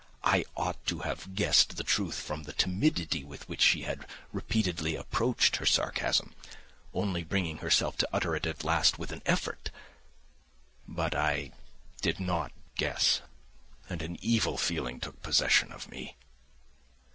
I ought to have guessed the truth from the timidity with which she had repeatedly approached her sarcasm, only bringing herself to utter it at last with an effort. But I did not guess, and an evil feeling took possession of me.